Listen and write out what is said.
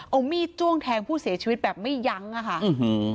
เอามีดจ้วงแทงผู้เสียชีวิตแบบไม่ยั้งอ่ะค่ะอื้อหือ